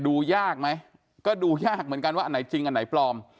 ดูยากไหมก็ดูยากเหมือนกันว่าอันไหนจริงอันไหนปลอม